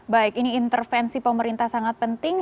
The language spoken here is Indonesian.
baik ini intervensi pemerintah sangat penting